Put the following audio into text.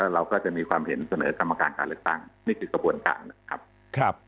เราก็จะมีความเห็นเสนอกรรมการการเลือกตั้งนี่คือกระบวนการนะครับ